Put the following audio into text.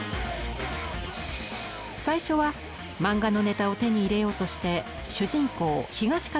最初は漫画のネタを手に入れようとして主人公東方